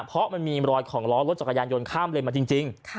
เพราะมันมีรอยของล้อรถจักรยานยนต์ข้ามเลนมาจริง